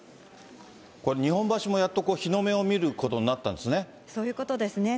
これ、日本橋もやっと日の目を見ることになったんですね。